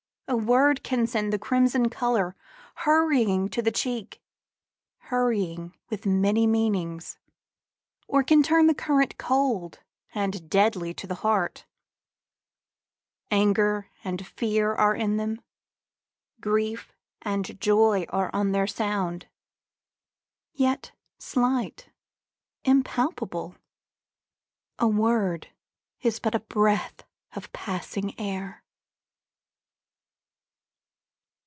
A word can send The crimson colour hurrying to the cheek. Hurrying with many meanings; or can turn The current cold and deadly to the heart. Anger and fear are in them; grief and joy Are on their sound; yet slight, impalpable: A word is but a breath of passing air.